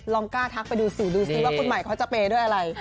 กล้าทักไปดูสิดูซิว่าคุณใหม่เขาจะเปย์ด้วยอะไร